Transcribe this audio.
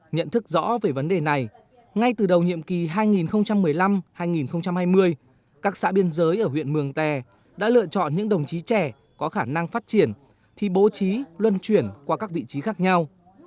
nhận thức rõ về vấn đề này ngay từ đầu nhiệm kỳ hai nghìn một mươi năm hai nghìn hai mươi các xã biên giới ở huyện mường tè đã lựa chọn những đồng chí trẻ có khả năng phát triển thi bố trí luân chuyển qua các vị trí khác nhau